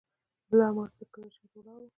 زه لا هماغسې د کړکۍ شاته ولاړ وم.